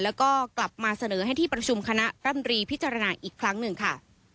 แล้วก็กลับมาเสนอให้ที่ประชุมคณะร่ำรีพิจารณาอีกครั้งหนึ่งค่ะ